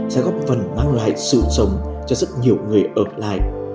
sẽ góp phần mang lại sự sống cho rất nhiều người ở lại